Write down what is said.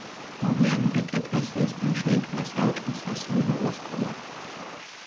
მოგვიანებით ეკლესიასთან შეიქმნა საეკლესიო-სამრევლო სკოლა.